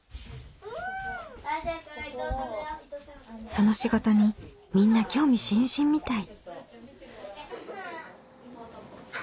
その仕事にみんな興味津々みたい。